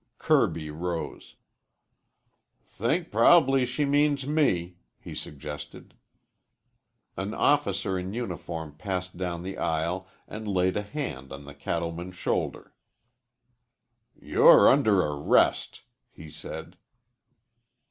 Kirby rose. "Think prob'ly she means me," he suggested. An officer in uniform passed down the aisle and laid a hand on the cattleman's shoulder. "You're under arrest," he said.